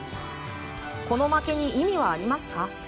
この負けに意味はありますか？